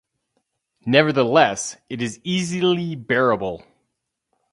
Nevertheless, it is easily bearable.